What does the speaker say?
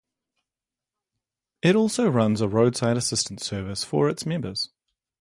It also runs a roadside assistance service for its members.